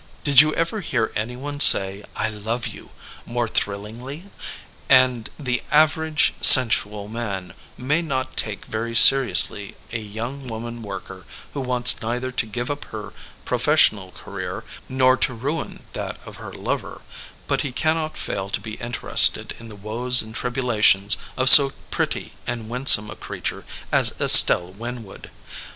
Did you ever hear anyone say I love you" more thrillingly? And the *' average sensual man" may not take very seriously a young woman worker who wants neither to give up her pro fessional career nor to ruin that of her lover, but he cannot fail to be interested in the woes and tribula tions of so pretty and winsome a creature as Estelle Winwood.